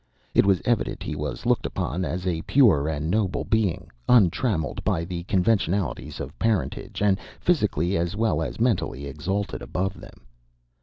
It was evident he was looked upon as a pure and noble being, untrammelled by the conventionalities of parentage, and physically as well as mentally exalted above them.